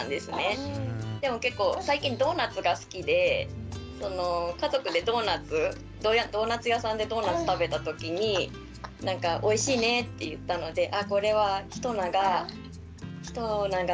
でも結構最近ドーナツが好きで家族でドーナツドーナツ屋さんでドーナツ食べたときに「おいしいね」って言ったのであ